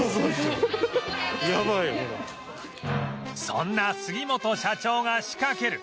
そんな杉本社長が仕掛ける